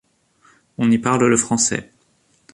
On y parle le français.